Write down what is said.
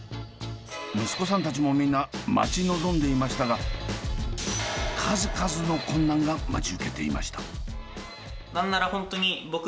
息子さんたちもみんな待ち望んでいましたが数々の困難が待ち受けていました。